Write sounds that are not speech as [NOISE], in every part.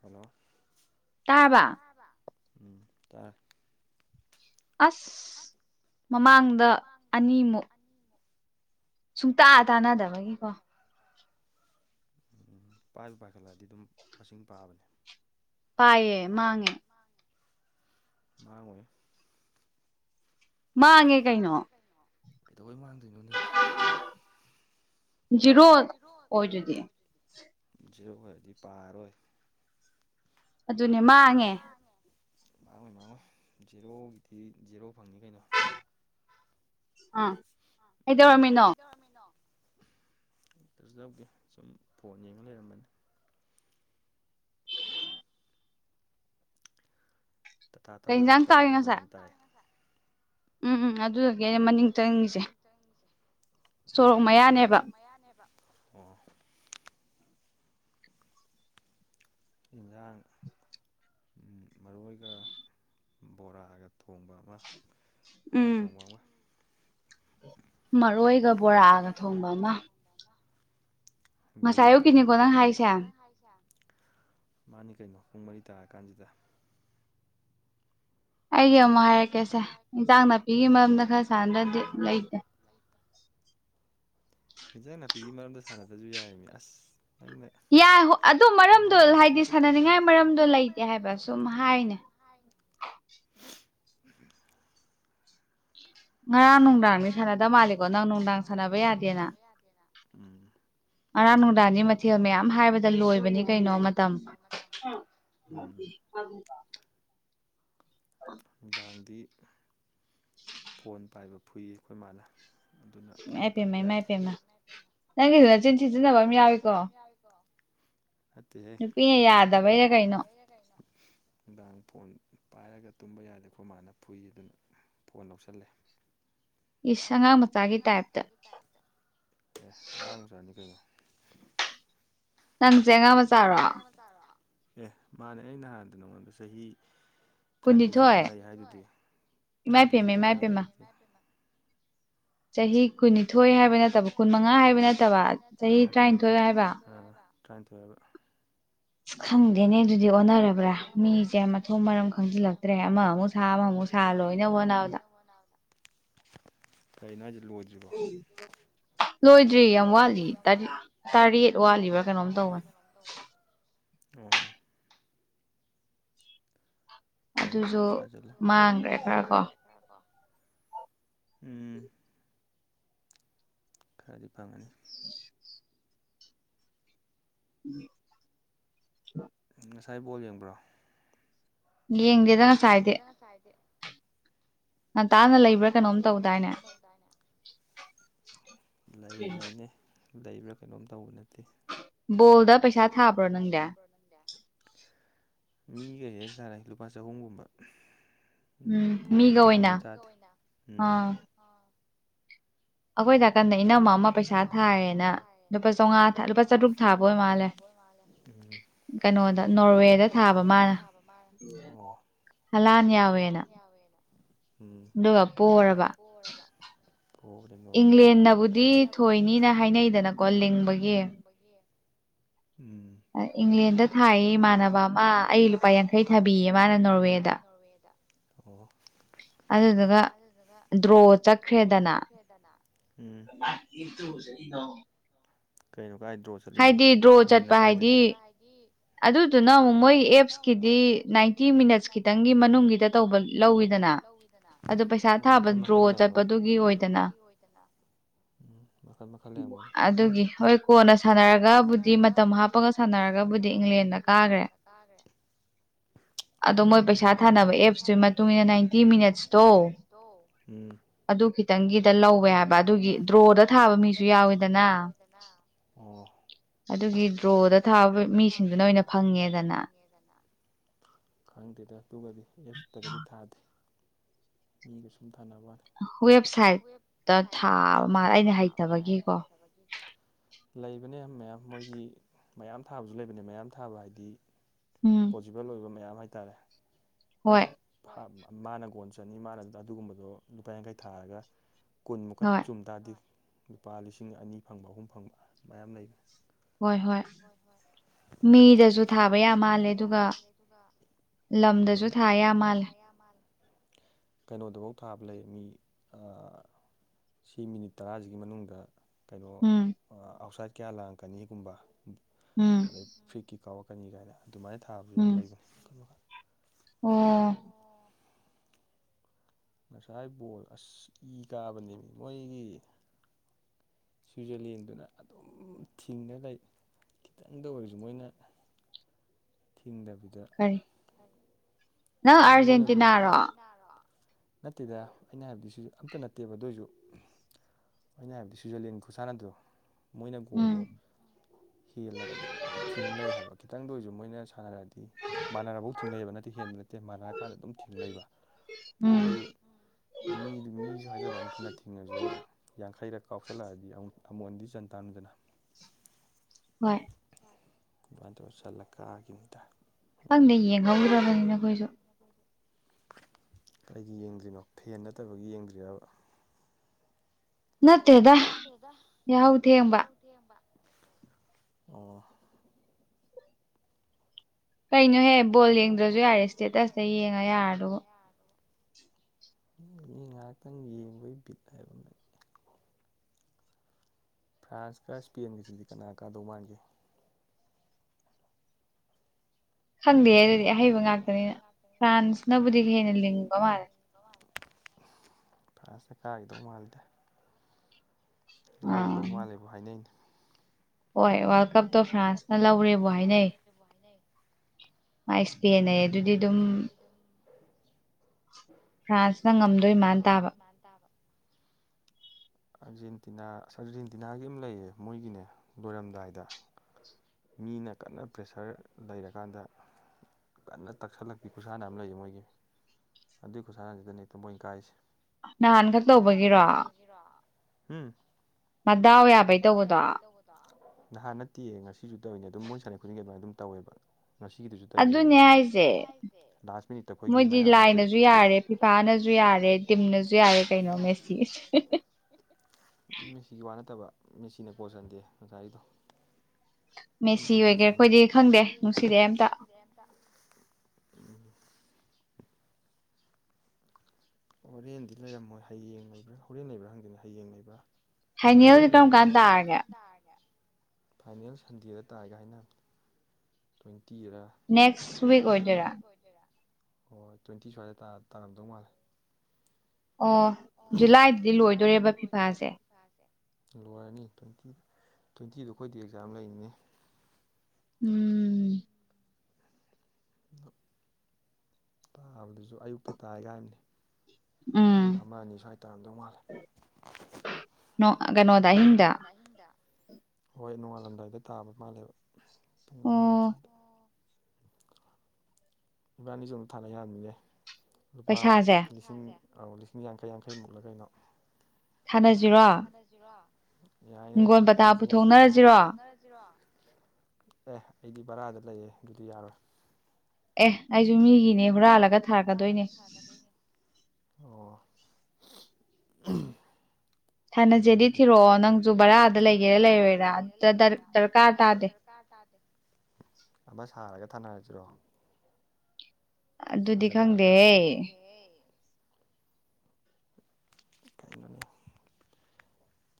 Hello ꯇꯥꯕ ꯎꯝ ꯇꯥ ꯑꯁ ꯃꯃꯥꯡꯗ ꯑꯅꯤꯃꯨꯛ ꯁꯨ ꯇꯗ ꯇꯥ ꯊꯥꯅꯗ ꯎ ꯄꯥꯏ ꯄꯥꯏꯈꯠꯂꯛꯑꯗꯤ ꯑꯗꯨꯝ ꯃꯁꯤꯡ ꯄꯥꯕꯅꯦ ꯄꯥꯏꯌꯦꯦ ꯃꯥꯡꯉꯦ ꯃꯥꯡꯉꫭꯏꯍꯦ ꯃꯥꯡꯉꯦ ꯀꯅꯣ ꯀꯩꯗꯧꯕꯩ ꯃꯥꯡꯗꯣꯏꯅꯣꯅꯦ ꯖꯤꯔꯣ ꯑꯣꯏꯗꯨꯗꯤ ꯖꯦꯔꯣ ꯑꯣꯏꯔꯗꯤ ꯄꯥꯔꯔꯣꯏ ꯑꯗꯨꯅ ꯃꯥꯥꯡꯉꯦ ꯃꯥꯡꯉꯣꯏ ꯃꯥꯡꯉꯣꯏ ꯖꯦꯔꯣꯒꯤꯗꯤ ꯖꯦꯔꯣ ꯐꯪꯅꯤ ꯀꯩꯅꯣ ꯑꯥ ꯀꯩꯗꯧꯔꯝꯃꯤꯅꯣ꯫ ꯀꯩꯗꯧꯔꯝꯃꯤꯅꯣ꯫ ꯀꯁꯨ ꯇꯧꯗꯦ ꯁꯨꯝ ꯐꯣꯟ ꯌꯦꯡꯉ ꯂꯩꯔꯝꯕꯅꯤ꯫ ꯇꯥꯇꯥ ꯊꯧꯔꯤꯔꯣ ꯇꯥꯇꯥ ꯃꯈꯣꯟ ꯌꯥꯝ ꯇꯥꯏ ꯎꯝ ꯎꯝ ꯑꯗꯨꯗꯒꯤ ꯑꯩꯅ ꯃꯅꯤꯡ ꯆꯪꯉꯤꯁꯦ ꯁꯣꯔꯣꯛ ꯃꯌꯥꯅꯦꯕ ꯃꯌꯥꯅꯦꯕ ꯑꯣ ꯏꯟꯖꯥꯡ꯫ ꯃꯔꯣꯏꯒ ꯕꯣꯔꯥꯒ ꯊꯣꯡꯕ ꯑꯃ꯫ ꯍꯋꯥꯏ ꯊꯣꯡꯕ ꯑꯃ꯫ ꯃꯔꯣꯏꯒ ꯕꯣꯔꯥꯒ ꯊꯣꯡꯕ ꯑꯃ꯫ ꯕꯣꯔꯤ ꯒ ꯊꯣꯗꯕꯥ꯫ ꯃꯥꯅꯤ ꯀꯩꯅꯣ ꯄꯨꯡ ꯃꯔꯤ ꯇꯥꯔꯀꯥꯟꯁꯤꯗ꯫ ꯑꯩꯒꯤ ꯑꯃꯨꯛ ꯍꯥꯏꯔꯛꯀꯦꯁꯦ ꯏꯟꯖꯥꯡ ꯅꯥꯄꯤꯒꯤ ꯃꯔꯝꯗ ꯈꯔ ꯁꯥꯟꯅꯗ꯭ꯔꯗꯤ ꯂꯩꯇꯦ꯫ ꯍꯦꯟꯖꯥꯡ ꯅꯥꯄꯤꯒꯤ ꯃꯔꯝꯗ ꯁꯥꯟꯅꯗꯕꯁꯨ ꯌꯥꯏꯔꯃꯤ ꯑꯁ ꯅꯪꯅ꯫ ꯌꯥꯔ ꯁꯅꯅꯤꯡꯉꯥꯏ ꯃꯔꯝꯗꯣ ꯂꯩꯒꯦ ꯍꯥꯏꯔꯁꯨ ꯍꯥꯏ ꯉꯔꯥꯡ ꯅꯨꯡꯗꯥꯡꯗꯤ ꯁꯥꯟꯅꯗꯕ ꯃꯥꯜꯂꯤꯀꯣ ꯅꯪ ꯅꯨꯡꯗꯥꯡ ꯁꯥꯟꯅꯕ ꯌꯥꯗꯦꯅ ꯉꯔꯥꯡ ꯅꯨꯡꯗꯥꯡꯅꯤ ꯃꯊꯦꯜ ꯃꯌꯥꯝ ꯍꯥꯏꯕꯗ ꯂꯣꯏꯕꯅꯤ ꯀꯩꯅꯣ ꯃꯇꯝ ꯎꯝ ꯑꯗꯨ ꯑ ꯅꯨꯡꯗꯥꯡꯗꯤ ꯐꯣꯟ ꯄꯥꯏꯕ ꯐꯨꯏ ꯑꯩꯈꯣꯏ ꯃꯥꯅ ꯑꯗꯨꯅ ꯐꯣꯟ ꯄꯥꯏꯕ ꯌꯥꯗꯦ ꯅꯪ ꯅꯪꯒꯤꯁꯨ ꯅꯆꯤꯟ ꯁꯤꯖꯤꯟꯅꯕ ꯑꯃ ꯌꯥꯎꯏꯀꯣ ꯐꯠꯇꯦꯍ ꯅꯨꯡꯗꯥꯡ ꯅꯨꯡꯗꯥꯡ ꯐꯣꯟ ꯄꯥꯏꯔꯒ ꯇꯨꯝꯕ ꯌꯥꯗꯦ ꯑꯩꯈꯣꯏ ꯃꯥꯅ ꯐꯨꯏ ꯑꯗꯨꯅ ꯐꯣꯟ ꯂꯧꯁꯜꯂꯦ ꯏꯁ ꯁꯉꯥ ꯃꯆꯥꯒꯤ ꯇꯥꯏꯞꯇ ꯇꯔꯗ ꯑꯦ ꯑꯉꯥꯡ ꯆꯛꯅꯤ ꯀꯩꯅꯣ ꯅꯪ ꯆꯦꯡꯉ ꯑꯦ ꯃꯥꯅꯦ ꯑꯩ ꯅꯍꯥꯟꯗ ꯅꯉꯣꯟꯗ ꯆꯍꯤ ꯇꯔꯥꯅꯤꯊꯣꯏꯁꯨ ꯉꯥꯏ ꯍꯥꯏꯗꯨꯗꯤ ꯇꯔꯥꯅꯤꯊꯣꯏꯁꯨ ꯅꯨꯡꯉꯥꯏ ꯍꯥꯏꯗꯨꯗꯤ ꯆꯍꯤ ꯆꯍꯤ ꯆꯍꯤ ꯀꯨꯟꯅꯤꯊꯣꯏ ꯍꯥꯏꯕ ꯅꯠꯇꯕ ꯀꯨꯟ ꯃꯉꯥ ꯍꯥꯏꯕ ꯅꯠꯇꯕ ꯆꯍꯤ ꯇꯔꯥꯅꯤꯊꯣꯏ ꯍꯥꯏꯕ ꯇꯔꯥꯏꯅ ꯇꯧꯋꯕ ꯑꯁ ꯈꯪꯗꯦꯅꯦ ꯑꯗꯨꯗꯤ ꯑꯣꯟꯅꯔꯕ꯭ꯔꯥ ꯃꯤꯁꯦ ꯃꯊꯣꯡ ꯃꯔꯝ ꯈꯪꯖꯤꯜꯂꯛꯇ꯭ꯔꯦ ꯑꯃꯃꯨꯛ ꯁꯥ ꯑꯃꯃꯨꯛ ꯆꯂꯣ ꯏꯅ ꯋꯥꯣꯅꯅꯥꯗꯥ ꯐꯅ ꯀꯩꯅꯖꯤ ꯂꯣꯏꯖ꯭ꯕ ꯂꯣꯏꯗ꯭ꯔꯤ ꯌꯥꯝ ꯋꯥꯠꯂꯤ ꯇꯔꯦꯠ ꯋꯥꯠꯂꯤꯕ꯭ꯔꯥ ꯀꯩꯅꯣꯝ ꯇꯧꯕꯅꯤ ꯑꯣ ꯍꯣꯏ ꯁꯥꯖꯂ ꯎꯝ ꯈꯔꯗꯤ ꯐꯪꯒꯅꯤ ꯎꯝ ꯉꯁꯥꯏꯕꯣꯛ ꯌꯦꯡꯕ꯭ꯔꯣ ꯌꯦꯡꯗꯦꯗꯅ ꯆꯥꯏꯗꯦ ꯥꯏꯗꯦ ꯉꯟꯇꯥꯅ ꯂꯩꯕ꯭ꯔꯥ ꯀꯩꯅꯣꯝ ꯇꯧꯗꯥꯏꯅꯦ ꯂꯩꯔꯤꯉꯤꯅꯦ ꯂꯩꯕ꯭ꯔꯥ ꯀꯩꯅꯣꯝ ꯇꯧꯕ ꯅꯠꯇꯦ ꯕꯣꯜꯗ ꯄꯩꯁꯥ ꯊꯥꯕ꯭ꯔꯣ ꯅꯪꯗ ꯇ ꯃꯤꯒꯩ ꯍꯦꯛ ꯁꯥꯔꯛꯏꯁꯤ ꯂꯨꯄꯥ ꯆꯍꯨꯝꯒꯨꯝꯕ ꯎꯝ ꯐꯣꯟꯗ ꯊꯥꯕꯗ ꯑꯣꯏꯇꯥꯥꯦ ꯎꯝ ꯑꯩꯈꯣꯏ ꯗ ꯑꯩꯈꯣꯏ ꯅꯥꯀꯟꯗ ꯏꯅꯝ ꯑꯃ ꯑꯃ ꯄꯩꯁꯥ ꯊꯥꯔꯦꯅ ꯂꯨꯄꯥ ꯆꯥꯝꯃꯉꯥ ꯂꯨꯄꯥ ꯆꯥꯇ꯭ꯔꯨꯛ ꯊꯥꯕ ꯑꯣꯏ ꯃꯥꯜꯂꯝꯅꯤ ꯀꯩꯅꯣꯗ ꯅꯣꯔꯋꯦꯗ ꯁꯥꯕ ꯃꯥꯜꯂ ꯐꯂꯥꯟ ꯌꯥꯎꯋꯦꯅ ꯑꯗꯨꯒ ꯄꯔꯕ ꯄꯨꯕꯗꯤ ꯉꯧ ꯏꯪꯂꯦꯟꯅꯕꯨꯗꯤ ꯊꫭꯏꯅꯤꯅ ꯍꯥꯏꯅꯩꯗꯅꯀꯣ ꯂꯤꯡꯕꯒꯤ ꯏꯪꯂꯦꯟꯗ ꯊꯥꯏꯌꯦ ꯏꯃꯥꯟꯅꯕ ꯑꯃ ꯑꯩ ꯂꯨꯄꯥ ꯌꯥꯡꯈꯩ ꯊꯥꯕꯤꯌꯦ ꯃꯥꯅ ꯅꯣꯔꯋꯦꯗ ꯑꯣ ꯑꯗꯨꯗꯨꯒ ꯗ꯭ꯔꯣ ꯆꯠꯈ꯭ꯔꯦꯗꯅ ꯗꯅ ꯎꯝ ꯏ ꯇꯨ ꯁꯗ ꯀꯩꯅꯣ ꯀꯥꯏꯗ꯭ꯔꯣ ꯆꯠꯂꯤꯅꯣ ꯃꯅ ꯀꯥꯏꯗꯗꯤ ꯑꯗꯨꯗꯨꯅ ꯑꯃꯨꯛ ꯃꯣꯏ ꯑꯦꯞꯁꯀꯤꯗꯤ ꯅꯥꯏꯟꯇꯤ ꯃꯤꯅꯠꯁ ꯈꯤꯇꯪꯒꯤ ꯃꯅꯨꯡꯒꯤꯗ ꯇꯧꯕ ꯂꯧꯋ ꯑꯣ ꯃꯈꯜ ꯃꯈꯜ ꯂꯩꯔꯝꯒꯅꯤ ꯎꯝ ꯃꯈꯜ ꯃꯈꯜ ꯂꯩꯝꯒ ꯍꯣꯏ ꯀꯣꯟꯅ ꯁꯥꯟꯅꯔꯒꯕꯨꯗꯤ ꯃꯇꯝ ꯍꯥꯞꯄꯒ ꯁꯥꯟꯅꯔꯒꯕꯨꯗꯤ ꯁꯥꯟꯅꯔꯒꯕꯨꯗꯤ ꯃꯔꯦꯟꯗ ꯀꯥꯈ꯭ꯔꯦ [UNINTELLIGIBLE] ꯑꯗꯣ ꯃꯣꯏ ꯄꯩꯁꯥ ꯊꯥꯅꯕ ꯑꯦꯞꯁꯇꯨꯒꯤ ꯃꯇꯨꯡ ꯏ ꯃꯇꯨꯡꯏꯟꯅ ꯅꯥꯏꯟꯇꯤ ꯃꯤꯅꯠꯁꯇꯣ ꯑꯗꯨ ꯈꯤꯇꯪꯒꯤꯗ ꯂꯧꯋꯦ ꯍꯥꯏꯕ ꯑꯗꯨꯒꯤ ꯗ꯭ꯔꯣꯗ ꯊꯥꯕ ꯃꯤꯁꯨ ꯌꯥꯎꯋꯤꯗꯅ ꯑꯗꯨꯒꯤ ꯗ꯭ꯔꯣꯗ ꯊꯥꯕ ꯃꯤꯁꯤꯡꯗꯨꯅ ꯑꯣꯏꯅ ꯐꯪꯉꯦꯗꯅ ꯌꯦꯗꯅ ꯈꯪꯗꯦꯗ ꯑꯗꯨꯒꯗꯤ ꯑꯦꯞꯁꯇꯒꯗꯤ ꯊꯥꯗꯦ ꯃꯤꯒ ꯁꯨꯝ ꯊꯥꯅꯕ ꯋꯥꯂꯦ ꯋꯦꯕꯁꯥꯏꯠꯇ ꯊꯥꯕ ꯃꯥ ꯑꯩꯅ ꯍꯩꯇꯕꯒꯤꯀꯣ ꯂꯩꯕꯅꯦ ꯃꯌꯥꯝ ꯃꯣꯏꯒꯤ ꯃꯌꯥꯝ ꯊꯥꯕꯁꯨ ꯂꯩꯕꯅꯦ ꯃꯌꯥꯝ ꯊꯥꯕ ꯍꯥꯏꯗꯤ ꯄꯣꯖꯤꯕꯜ ꯑꯣꯏꯕ ꯃꯌꯥꯝ ꯍꯥꯏ ꯇꯥꯔꯦ ꯃꯥꯅ ꯒꯣꯟ ꯆꯠꯅꯤ ꯃꯥꯅ ꯑꯗꯨꯒꯨꯝꯕꯗꯣ ꯂꯨꯄꯥ ꯌꯥꯡꯈꯩ ꯊꯥꯔꯒ ꯀꯨꯟꯃꯨꯀꯠ ꯆꯨꯝ ꯇꯔꯗꯤ ꯂꯨꯄꯥ ꯂꯤꯁꯤꯡ ꯑꯅꯤ ꯐꯪꯕ ꯑꯍꯨꯝ ꯐꯪꯕ ꯃꯌꯥꯝ ꯂꯩꯕ ꯍꯣꯏ ꯍꯣꯏ ꯍꯣꯏ ꯍꯣꯏ ꯃꯤꯗꯁꯨ ꯊꯥꯕ ꯌꯥꯝ ꯃꯥꯜꯂꯦ ꯑꯗꯨꯒ ꯂꯝꯗꯁꯨ ꯊꯌꯦ ꯃꯥꯜ ꯀꯩꯅꯣꯗꯕꯥꯎ ꯊꯥꯕ ꯂꯩ ꯃꯤ ꯁꯤ ꯃꯤꯅꯤꯠ ꯇꯔꯥꯁꯤꯒꯤ ꯃꯅꯨꯡꯗ ꯀꯩꯅꯣ ꯑꯥꯎꯠꯁꯥꯏꯠ ꯀꯌꯥ ꯂꯥꯡꯀꯅꯤꯒꯨꯝꯕ ꯑꯗꯩ ꯐ꯭ꯤꯔꯤꯠꯀꯤ ꯀꯧꯔꯛ ꯀꯅꯤ ꯀꯥꯏꯅ ꯑꯗꯨꯃꯥꯏꯅ ꯊꯥꯕꯁꯨ ꯌꯥꯝ ꯂꯩꯕꯅꯤ ꯃꯈꯥꯜ ꯃꯈꯥꯜ ꯑꯝ ꯉꯁꯥꯏ ꯕꯣꯜ ꯑꯁ ꯏ ꯀꯥꯕꯅꯤꯃꯤ ꯃꯣꯏꯒꯤ ꯁ꯭ꯋꯤꯖꯔꯂꯦꯟꯗꯨꯅ ꯑꯗꯨꯝ ꯊꯤꯡꯉ ꯂꯩ ꯈꯤꯇꯪꯗ ꯑꯣꯏꯔꯁꯨ ꯃꯣꯏꯅ ꯊꯤꯡꯗꯕꯤꯗ ꯀꯔꯤ ꯅꯪ ꯑꯥꯔꯖꯦꯟꯇꯤꯅꯥꯔꯣ ꯔꯣ ꯅꯠꯇꯦꯗ ꯑꯩꯅ ꯍꯥꯏꯕꯗꯨ ꯁꯤ ꯑꯝꯇ ꯅꯠꯇꯦꯕ ꯑꯗꯨ ꯑꯣꯏꯁꯨ ꯑ ꯑꯣꯏꯅ ꯍꯥꯏꯗꯤ ꯁ꯭ꯋꯤꯖꯔꯂꯦꯟ ꯈꯨꯠꯥꯟꯅꯗꯣ ꯃꯣꯏꯅ ꯒꯣꯜꯗꯣ ꯍꯦꯜꯂꯒ ꯑꯗꯨꯝ ꯊꯤꯡꯅꯩ ꯍꯥꯏꯕ ꯈꯤꯇꯪꯗ ꯑꯣꯏꯔꯁꯨ ꯃꯣꯏꯅ ꯁꯥꯟꯅꯔꯛꯑꯗꯤ ꯃꯥꯟꯅꯔꯕꯥꯎ ꯊꯤꯡꯅꯩꯑꯕ ꯅꯠꯇꯦ ꯍꯦꯟꯕ ꯃꯥꯟꯅꯔꯀꯥꯟꯗ ꯑꯗꯨꯝ ꯊꯤꯟ ꯂꯩꯕ ꯑꯗꯨ ꯃꯤꯗꯨ ꯃꯤꯁꯨ ꯍꯥꯏꯖꯕꯩ ꯋꯥꯅꯤ ꯐꯅ ꯊꯤꯡꯉꯁꯨ ꯌꯥꯡꯈꯩꯔꯛ ꯀꯥꯎꯁꯜꯂꯛꯑꯗꯤ ꯑꯃꯨꯛꯗꯤ ꯆꯟ ꯇꯥꯕꯅꯤꯗꯅ ꯍꯣꯏ ꯑꯗꯨ ꯆꯥꯜꯂ ꯀꯈꯤꯕꯅꯤꯗ ꯀꯩꯒꯤ ꯌꯦꯡꯗ꯭ꯔꯤꯅꯣ ꯐꯦꯟ ꯅꯠꯇꯕꯒꯤ ꯌꯦꯡꯗ꯭ꯔꯤꯔꯕ ꯅꯠꯇꯦꯗꯥ ꯌꯥꯎꯗꯦꯑꯕ ꯑꯣ ꯀꯩꯅꯣꯍꯦ ꯕꯣꯜ ꯌꯦꯡꯗ꯭ꯔꯁꯨ ꯌꯥꯔꯦ ꯏꯁꯇꯦꯇꯁꯇ ꯌꯦꯡꯉ ꯌꯥꯔꯗꯨꯕꯨ ꯃꯤ ꯉꯥꯏꯍꯥꯛꯇꯪ ꯌꯦꯡꯕꯒꯤ ꯕꯤꯠ ꯍꯥꯏꯕ ꯑꯃ ꯂꯩ ꯐ꯭ꯔꯥꯟꯁꯀ ꯏꯁꯄꯦꯟꯒꯁꯤꯗꯤ ꯀꯅꯥ ꯀꯥꯗꯧ ꯃꯥꯟꯒꯦ ꯈꯪꯗꯦ ꯍꯦ ꯑꯗꯨꯗꯤ ꯑꯍꯩꯕ ꯉꯥꯛꯇꯅꯤꯅ ꯐ꯭ꯔꯥꯟꯁꯅꯕꯨꯗꯤ ꯍꯦꯟꯅ ꯂꯤꯡꯕ ꯃꯥꯜꯂꯦ ꯐꯥꯔꯥꯟꯁ ꯀꯥꯈꯤꯗꯧ ꯃꯥꯜꯂꯤꯗ ꯂꯧꯗꯧ ꯃꯥꯜꯂꯦꯕꯨ ꯍꯥꯏꯅꯩꯗ ꯍꯣꯏ ꯋꯥꯔꯜ ꯀꯞꯇꯨ ꯐ꯭ꯔꯥꯟꯁꯅ ꯂꯧꯔꯦꯕ ꯍꯥꯏꯅꯩ ꯕꯨ ꯍꯥꯢꯅꯩ ꯃꯥꯏ ꯢꯄꯦꯟ ꯍꯥꯢꯗꯨꯗꯤ ꯑꯗꯨꯝ ꯐ꯭ꯔꯥꯟꯁꯅ ꯉꯝꯗꯣꯏ ꯃꯟꯇꯥꯕ ꯃꯥꯟꯇꯕ ꯑꯔꯖꯦꯟꯇꯤꯅ ꯑꯥꯔꯖꯦꯟꯇꯤꯅꯥꯒꯤ ꯑꯃ ꯂꯩꯌꯦ ꯃꯣꯏꯒꯤꯅꯦ ꯂꯣꯏꯔꯝꯗꯥꯏꯗ ꯃꯤꯅ ꯀꯟꯅ ꯄ꯭ꯔꯦꯁꯔ ꯂꯩꯔꯀꯥꯟꯗ ꯀꯟꯅ ꯇꯛꯁꯜꯂꯛꯄꯤ ꯈꯨꯠꯁꯥꯟꯅ ꯑꯃ ꯂꯩꯌꯦ ꯃꯣꯏꯒꯤ ꯑꯗꯨꯏ ꯈꯨꯁꯥꯟꯅꯗꯨꯗꯅꯦ ꯃꯣꯏꯅ ꯀꯥꯔꯤꯁꯦ ꯅꯍꯥꯟ ꯈꯛ ꯇꯧꯕꯒꯤꯔꯣ ꯃꯗꯥꯎ ꯌꯥꯕꯩ ꯇꯧꯕꯗꯣ ꯅꯍꯥꯟ ꯅꯠꯇꯦꯌꯦ ꯉꯁꯤꯁꯨ ꯇꯧꯔꯤꯅꯦ ꯑꯗꯨꯝ ꯃꯣꯏ ꯁꯥꯟꯅ ꯈꯨꯗꯤꯡꯒꯤ ꯑꯗꯨꯃꯥꯏꯅ ꯑꯗꯨꯝ ꯇꯧꯋꯦꯕ ꯉꯁꯤꯒꯤꯗꯨꯁꯨ ꯇꯩꯅꯦ ꯑꯗꯨꯃꯥꯏꯅ ꯂꯥꯁ ꯃꯤꯅꯤꯠꯇ ꯑꯩꯈꯣꯏꯒꯤ ꯃꯌꯥꯝꯅ ꯄ꯭ꯔꯤꯠ ꯁꯨ ꯌꯥꯔꯦ ꯐꯤꯐꯥꯅꯁꯨ ꯌꯥꯔꯦ ꯇꯤꯝꯅꯁꯨ ꯌꯥꯔꯦ ꯀꯩꯅꯣ ꯃꯦꯁꯤꯗꯤ ꯃꯦꯁꯤꯒꯤ ꯋꯥ ꯅꯠꯇꯕ ꯃꯦꯆꯤꯅ ꯀꯣꯟ ꯆꯟꯗꯦ ꯉꯁꯥꯢꯒꯤꯗꯣ ꯑꯩꯈꯣꯏꯗꯤ ꯈꯪꯗꯦ ꯑꯝꯇ ꯍꯣꯔꯦꯟꯗꯤ ꯂꯩꯔꯝꯃꯣꯏ ꯍꯌꯦꯡ ꯂꯩꯕ꯭ꯔꯥ ꯍꯣꯔꯦꯟ ꯂꯩꯕ꯭ꯔꯥ ꯈꯪꯗꯦꯅꯦ ꯍꯌꯦꯡ ꯂꯩꯕꯔꯥ ꯍꯣꯔꯦꯡ ꯂꯩꯔꯝꯒꯅꯤ ꯐꯥꯏꯅꯦꯜ ꯁꯟꯗꯦꯗ ꯇꯥꯢꯒ ꯍꯥꯏꯅꯕꯅꯦ ꯇ꯭ꯋꯦꯟꯇꯤꯔꯥ ꯅꯦꯛꯁ ꯋꯤꯛ ꯑꯣꯏꯗꯨꯢꯔꯥ ꯑꯣꯏꯗꯨꯢꯔ ꯍꯣꯏ ꯍꯣꯏ ꯇ꯭ꯋꯦꯟꯇꯤ ꯁ꯭ꯋꯥꯏꯗ ꯇꯥꯔꯝꯗꯧ ꯃꯥꯜꯂꯦ ꯑꯣ ꯖꯨꯂꯥꯏꯗꯗꯤ ꯂꯣꯏꯗꯧꯔꯦꯕ ꯂꯣꯏꯔꯅꯤ ꯇ꯭ꯋꯦꯟꯇꯤ ꯇ꯭ꯋꯦꯟꯇꯤꯗꯣ ꯑꯩꯈꯣꯏꯗꯤ ꯑꯦꯛꯖꯥꯝ ꯂꯩꯅꯦ ꯎꯝ ꯑ ꯇꯥꯕꯗꯨꯁꯨ ꯑꯌꯨꯛꯇ ꯇꯥꯏ ꯀꯥꯏ ꯍꯥꯏꯕꯅꯤ ꯎꯝ ꯄꯨꯡ ꯑꯃ ꯑꯅꯤ ꯁ꯭ꯋꯥꯏ ꯇꯥꯔꯝꯗꯧ ꯃꯥꯜꯂꯦ ꯅꯣ ꯀꯩꯅꯣꯗ ꯑꯍꯤꯡꯗ ꯍꯣꯏ ꯅꯣꯡꯉꯥꯜꯂꯝꯗꯥꯏꯗ ꯇꯥꯕ ꯃꯥꯜꯂꯦꯕ ꯏꯕꯥꯅꯤꯁꯨ ꯑꯝ ꯊꯥꯅ ꯌꯥꯕꯅꯤꯅ ꯂꯨꯄꯥ ꯂꯤꯁꯤꯡ ꯂꯤꯁꯤꯡ ꯌꯥꯡꯈꯩ ꯌꯥꯡꯈꯩ ꯃꯨꯛꯂ ꯀꯩꯅꯣ ꯊꯥꯅꯁꯤꯔꯣ ꯊꯅꯥꯁꯤꯔꫭ ꯌꯥꯏꯌꯦ ꯂꯨꯄꯥ ꯂꯤꯁꯤꯡ ꯌꯥꯡꯈꯩ ꯏꯟꯈꫭꯟ ꯄꯇꯥ ꯄꯨꯊꫭꯛꯅꯁꯤꯔꫭ ꯑꯦ ꯑꯩꯗꯤ ꯕꯔꯥꯗ ꯂꯩꯌꯦ ꯑꯗꯨꯗꯤ ꯌꯥꯔꯣꯏ ꯑꯦ ꯑꯩꯁꯨ ꯃꯤꯒꯤꯅꯦ ꯍꯨꯔꯥꯜꯂꯒ ꯊꯥꯔꯛꯀꯗꯣꯏꯅꯦ ꯐꯗꯣꯏꯅꯦ ꯑꯣ ꯊꯥꯅꯖꯦꯗꯤ ꯊꯤꯔꯛꯑꯣ ꯅꯪꯖꯨ ꯕꯔꯥꯗ ꯂꯩꯒꯦꯔꯥ ꯂꯩꯔꯣꯏꯔꯥ ꯑꯗꯨꯗ ꯗ꯭ꯔꯀꯥꯔ ꯇꯥꯗꯦ ꯇꯥ ꯇꯥꯗꯦ ꯑꯃ ꯁꯥꯔꯒ ꯊꯥꯅꯔꯖꯤꯔꯣ ꯁꯥꯖꯜꯂꯛꯑꯒ ꯑꯗꯨꯗꯤ ꯈꯪꯗꯦꯍꯦ ꯄꯨꯝꯒꯅꯤ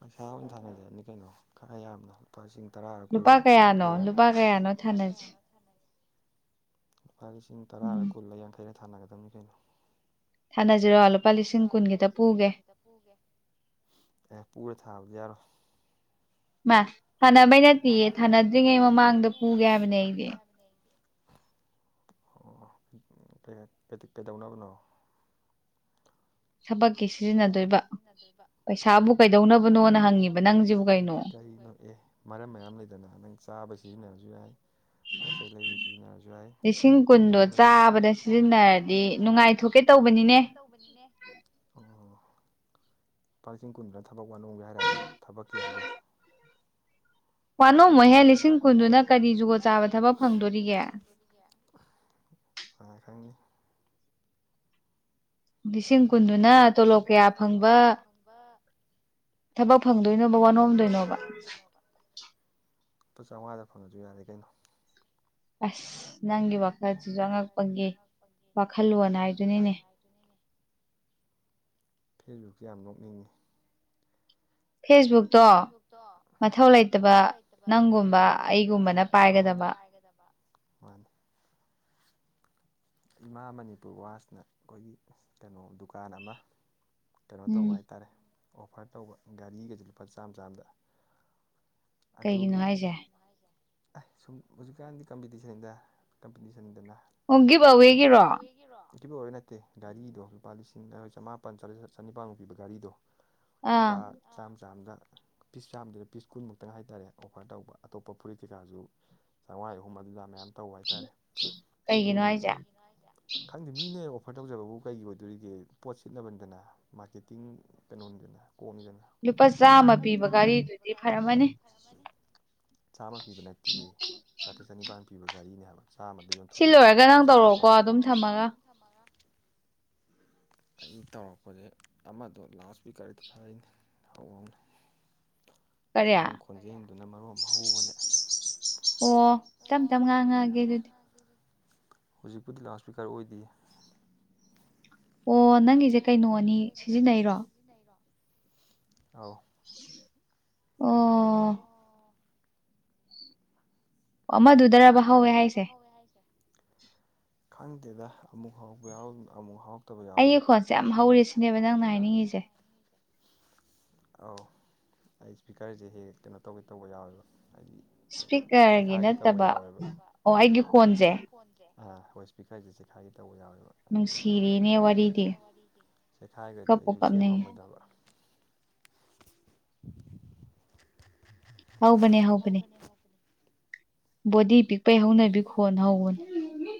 ꯄꯩꯁꯥ ꯑꯣꯏꯅ ꯊꯥꯅꯖꯦ ꯍꯥꯏꯕꯅꯤ ꯀꯩꯅꯣ ꯈꯔ ꯌꯥꯝꯅ ꯂꯨꯄꯥ ꯂꯤꯁꯤꯡ ꯇꯔꯥꯔ ꯀꯨꯜꯂ ꯌꯥꯡꯈꯩꯔ ꯂꯨꯄꯥ ꯀꯌꯥꯅꯣ ꯂꯨꯄꯥ ꯀꯌꯥꯅꯣ ꯊꯥꯅ ꯂꯨꯄꯥ ꯂꯤꯁꯤꯡ ꯇꯔꯥꯔ ꯀꯨꯜꯂ ꯌꯥꯡꯈꯩꯔ ꯊꯥꯅꯒꯗꯕꯅꯤ ꯀꯩꯅꯣ ꯊꯥꯅꯖꯤꯔꯣ ꯂꯨꯄꯥ ꯂꯤꯁꯤꯡ ꯀꯨꯟꯒꯤꯇ ꯄꯨꯒꯦ ꯄꯨꯒꯦ ꯑꯦ ꯄꯨꯔ ꯊꯥꯕꯗꯤ ꯌꯥꯔꯣꯏ ꯃꯥ ꯊꯥꯟꯅꯕꯩ ꯅꯠꯇꯤꯌꯦ ꯊꯥꯅꯗ꯭ꯔꯤꯉꯩ ꯃꯃꯥꯡꯗ ꯄꯨꯒꯦ ꯍꯥꯏꯕꯅꯦ ꯑꯩꯗꯤ ꯑꯣ ꯀꯦꯔꯛ ꯀꯩꯗꯧꯅꯕꯅꯣ ꯊꯕꯛꯀꯤ ꯁꯤꯖꯤꯟꯅꯗꯣꯏꯕ ꯑꯗꯣꯏꯕ ꯄꯩꯁꯥꯕꯨ ꯀꯩꯗꯧꯅꯕꯅꯣꯅ ꯍꯪꯉꯤꯕ ꯅꯪꯖꯤꯕꯨ ꯀꯩꯅꯣ ꯃꯔꯝ ꯃꯌꯥꯝ ꯂꯩꯗꯅ ꯅꯪ ꯆꯥꯕꯩ ꯁꯤꯖꯤꯟꯅꯔꯁꯨ ꯌꯥꯏ ꯄꯣꯠ ꯆꯩꯩ ꯂꯩꯕ ꯁꯤꯖꯤꯟꯅꯔꯖꯨ ꯌꯥꯏ ꯃꯌꯥꯝ ꯂꯩꯗꯅ ꯂꯤꯁꯤꯡ ꯀꯨꯟꯗꯣ ꯆꯥꯕꯗ ꯁꯤꯖꯤꯟꯅꯔꯗꯤ ꯅꯨꯡꯉꯥꯏꯊꯣꯛꯀꯦ ꯇꯧꯕꯅꯤꯅꯦ ꯑꯣ ꯂꯨꯄꯥ ꯂꯤꯁꯤꯡ ꯀꯨꯟꯗꯨꯅ ꯊꯕꯛ ꯋꯥꯅꯣꯝꯒꯦ ꯍꯥꯏꯔꯕ ꯊꯕꯛꯀꯤ ꯍꯥꯏꯗꯣ ꯋꯥꯅꯣꯝꯃꯣꯏꯍꯦ ꯂꯤꯁꯤꯡ ꯀꯨꯟꯗꯨꯅ ꯀꯔꯤ ꯖꯨꯒꯣꯠ ꯆꯥꯕ ꯊꯕꯛ ꯐꯪꯗꯣꯔꯤꯒꯦ ꯀꯅꯥ ꯈꯪꯅꯤ ꯑ ꯊꯕꯛ ꯂꯤꯁꯤꯡ ꯀꯨꯟꯗꯨꯅ ꯇꯣꯂꯣꯞ ꯀꯌꯥ ꯐꯪꯕ ꯊꯕꯛ ꯐꯪꯗꯣꯏꯅꯣꯕ ꯋꯥꯅꯣꯝꯗꯣꯏꯅꯣꯕ ꯂꯨꯄꯥ ꯆꯥꯎꯉꯥꯗ ꯐꯪꯉꯁꯨ ꯌꯥꯔꯦ ꯀꯩꯅꯣ ꯑꯁ ꯅꯪꯒꯤ ꯋꯥꯈꯜꯁꯤꯁꯨ ꯑꯉꯛꯄꯒꯤ ꯋꯥꯈꯜꯂꯣꯟꯅ ꯍꯥꯏꯗꯨꯅꯤꯅꯦ ꯐꯦꯁꯕꯨꯛꯁꯤ ꯌꯥꯝ ꯅꯣꯛꯅꯤꯡꯉꯤ ꯐꯦꯁꯕꯨꯛ ꯐꯦꯁꯕꯨꯛꯇꯣ ꯃꯊꯧ ꯂꯩꯇꯕ ꯅꯪꯒꯨꯝꯕ ꯑꯩꯒꯨꯝꯕꯅ ꯄꯥꯏꯒꯗꯕ ꯃꯥꯅꯤ ꯏꯃꯥ ꯃꯅꯤꯄꯨꯔ ꯋꯥꯁꯅ ꯑꯩꯈꯣꯏꯒꯤ ꯀꯩꯅꯣ ꯗꯨꯀꯥꯟ ꯑꯃ ꯀꯩꯅꯣ ꯇꯧꯕ ꯍꯥꯏꯇꯥꯥꯔꯦ ꯑꯣꯐ꯭ꯔ ꯇꯧꯕ ꯒꯥꯔꯤꯒꯁꯦ ꯂꯨꯄꯥ ꯆꯥꯝ ꯆꯥꯝꯗ ꯑꯗꯨꯒꯤ ꯑꯥꯏ ꯁꯨꯝ ꯍꯧꯖꯤꯛꯀꯥꯟꯗꯤ ꯀꯝꯄꯤꯇꯤꯁꯟꯗ ꯀꯝꯄꯤꯇꯤꯁꯟꯅꯤꯗꯅ ꯑꯣꯒꯤꯞ ꯑꯣ ꯒꯤꯞ ꯑꯋꯦꯒꯤꯔꯣ ꯒꯤꯞ ꯑꯋꯦꯒꯤ ꯅꯠꯇꯦ ꯒꯥꯔꯤꯗꯣ ꯂꯨꯄꯥ ꯂꯤꯁꯤꯡ ꯆꯃꯥꯄꯜ ꯆꯥ ꯆꯥꯇ꯭ꯔꯦꯠ ꯆꯅꯤꯄꯥꯟꯃꯨꯛ ꯄꯤꯕ ꯒꯥꯔꯤꯗꯣ ꯂꯨꯄꯥ ꯆꯥꯝ ꯆꯥꯝꯗ ꯄꯤꯁ ꯆꯥꯝꯃꯗꯨꯗ ꯄꯤꯁ ꯀꯨꯟꯃꯨꯛꯇꯪ ꯍꯥꯏꯇꯥꯔꯦ ꯑꯣꯐꯔ ꯇꯧꯕ ꯑꯇꯣꯞꯄ ꯐꯨꯔꯤꯠ ꯀꯩꯀꯥꯁꯨ ꯆꯥꯎꯉꯥꯒꯤ ꯑꯍꯨꯝ ꯑꯗꯨꯗ ꯑꯗꯥ ꯃꯌꯥꯝ ꯇꯧꯕ ꯍꯥꯏꯇꯥꯔꯦ ꯑꯗꯨꯒꯤ ꯈꯪꯗꯦ ꯃꯤꯅ ꯑꯣꯐꯔ ꯇꯧꯖꯕꯕꯨ ꯀꯩꯒꯤ ꯑꯣꯏꯗꯣꯏꯔꯤꯒꯦ ꯄꯣꯠ ꯁꯤꯠꯅꯕꯅꯤꯗꯅ ꯃꯥꯔꯀꯦꯇꯤꯡ ꯀꯩꯅꯣꯅꯤꯗꯅ ꯀꯣꯝꯃꯥꯗꯅ ꯂꯨꯄꯥ ꯆꯥꯝꯃ ꯄꯤꯕ ꯒꯥꯔꯤꯗꯨꯗꯤ ꯐꯔꯝꯃꯅꯤ ꯆꯥꯝꯃ ꯄꯤꯕ ꯅꯠꯇꯤꯌꯦ ꯆꯥꯇ꯭ꯔꯦꯠ ꯆꯅꯤꯄꯥꯟ ꯄꯤꯕ ꯒꯥꯔꯤꯅꯦ ꯍꯥꯏꯕ ꯆꯥꯝꯃ ꯌꯣꯡꯊꫭꯛꯏꯅꯤ ꯍꯥꯏꯕ ꯂꯣꯏꯁꯤꯜꯂꯛꯄꯒꯤ ꯁꯤ ꯂꯣꯏꯔꯒ ꯅꯡ ꯇꯧꯔꯛꯎꯀꯣ ꯑꯗꯨꯝ ꯊꯝꯃꯒ ꯑꯩꯅ ꯇꯧꯔꯛꯄꯖꯦ ꯑꯃꯗꯣ ꯂꯥꯎꯠꯁ ꯏꯁꯄꯤꯀꯔꯗ ꯊꯔꯛꯏꯅꯦ ꯍꯧꯍꯧꯅꯤ ꯅꯪ ꯈꯣꯟꯖꯦꯟꯗꯨꯅ ꯃꯔꯣꯟ ꯑꯃ ꯍꯧꯕꯅꯦ ꯑꯣ ꯇꯞ ꯇꯞ ꯉꯥꯡꯉꯛꯑꯒꯦ ꯑꯗꯨꯗꯤ ꯍꯧꯖꯤꯛꯄꯨꯗꯤ ꯂꯥꯎꯠ ꯁ꯭ꯄꯤꯀꯔ ꯑꯣꯏꯗꯤꯌꯦ ꯑꯣ ꯅꯪꯒꯤꯁꯦ ꯀꯩꯅꯣꯅꯤ ꯁꯤꯖꯤꯟꯅꯩꯔꯣ ꯁꯤꯖꯤꯟꯅꯩꯔꯣ ꯑꯥꯎ ꯑꯣ ꯑꯃꯗꯨꯗꯔꯕ ꯍꯧꯋꯦ ꯍꯥꯏꯁꯦ ꯈꯪꯗꯦꯗ ꯑꯃꯨꯛ ꯍꯥꯎꯕ ꯌꯥꯎꯅꯤ ꯑꯃꯨꯛ ꯍꯥꯎ ꯍꯥꯎꯗꯕ ꯌꯥꯎꯏꯤ ꯑꯩꯒꯤ ꯄꯣꯠꯁꯦ ꯌꯥꯝ ꯍꯧꯔꯦꯁꯤꯅꯦꯕ ꯅꯪ ꯍꯥꯏꯅꯤꯡꯉꯤꯗꯣ ꯑꯧ ꯑꯩ ꯏꯁꯄꯤꯀꯔꯁꯦ ꯍꯦꯛ ꯍꯦꯛ ꯀꯩꯅꯣ ꯇꯧꯒꯦ ꯇꯧꯕ ꯌꯥꯎꯋꯦꯕ ꯍꯥꯏꯗꯤ ꯎ ꯆꯦꯈꯥꯏꯒꯦ ꯇꯧꯕ ꯌꯥꯎꯋꯦꯕ ꯑꯣ ꯑꯩꯒꯤ ꯐꯣꯟ ꯑ ꯍꯣꯏ ꯏ꯭ꯄꯤꯀꯔꯁꯦ ꯆꯦꯈꯥꯏꯒꯦ ꯇꯧꯕ ꯌꯥꯎꯋꯦꯕ ꯑꯗꯨ ꯅꯨꯡꯁꯥꯔꯦꯅꯦ ꯋꯔꯤꯗꯥ ꯆꯦꯛꯈꯥꯏꯒꯗꯤ ꯑꯩꯁꯨ ꯁꯦꯝꯉꯝꯃꯣꯏꯗꯕ ꯍꯧꯕꯅꯦ ꯍꯧꯕꯅꯦ ꯕꯣꯗꯤꯞ ꯕꯣꯗꯤ ꯄꯤꯛꯄꯩ ꯍꯧꯅꯗꯤ ꯈꯤꯟ ꯌꯧꯕꯅꯩ